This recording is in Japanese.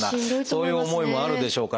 そういう思いもあるでしょうから。